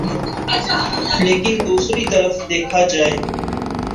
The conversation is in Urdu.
لیکن دوسری طرف دیکھا جائے